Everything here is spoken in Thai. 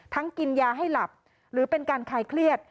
กินยาให้หลับหรือเป็นการคลายเครียด